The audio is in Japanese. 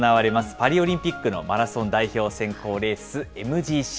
パリオリンピックのマラソン代表選考レース、ＭＧＣ。